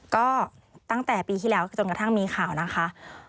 ก็ตั้งแต่ปีที่แล้วจนกระทั่งมีข่าวนะคะ